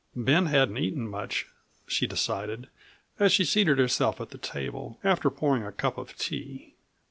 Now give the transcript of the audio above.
Ben hadn't eaten much, she decided, as she seated herself at the table, after pouring a cup of tea.